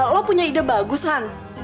lo punya ide bagus han